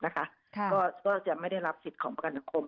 ก็จะไม่ได้รับสิทธิ์ของประกันสังคม